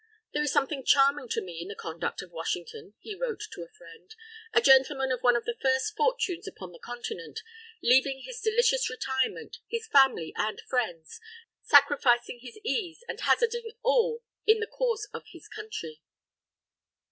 "There is something charming to me in the conduct of Washington," he wrote to a friend, "a gentleman of one of the first fortunes upon the continent, leaving his delicious retirement, his family and friends, sacrificing his ease, and hazarding all in the cause of his Country.